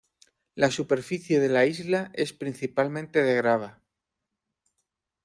La superficie de la isla es principalmente de grava.